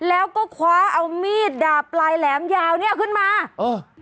แล้วก็คว้าเอามีดดาบปลายแหลมยาวเนี้ยขึ้นมาเออ